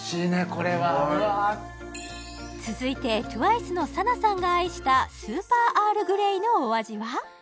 これはうまい続いてＴＷＩＣＥのＳＡＮＡさんが愛したスーパーアールグレイのお味は？